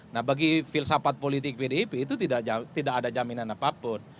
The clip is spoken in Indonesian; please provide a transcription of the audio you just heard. nah bagi filsafat politik pdip itu tidak ada jaminan apapun